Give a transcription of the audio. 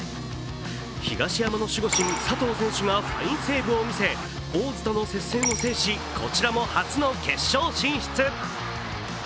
東山の守護神・佐藤選手がファインセーブを見せ大津との接戦を制し、こちらも初の決勝進出。